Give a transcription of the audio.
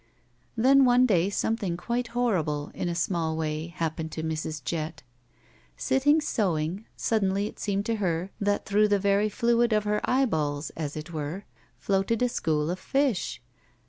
Then one day something quite horrible, in a small way, happened to Mrs. Jett. Sitting sewing, sud denly it seemed to her that though the very fluid of her 'eyeballs, as it were, floated a school of fish.